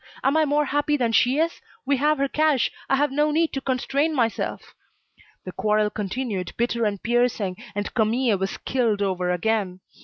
Am I more happy than she is? We have her cash, I have no need to constrain myself." The quarrel continued, bitter and piercing, and Camille was killed over again.